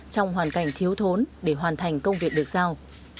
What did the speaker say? trong hoàn cảnh thiếu thốn để hoàn thành công việc được giao